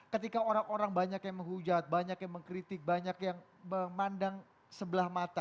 ketika orang orang banyak yang menghujat banyak yang mengkritik banyak yang memandang sebelah mata